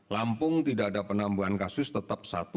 lampung tidak ada penambahan kasus tetap satu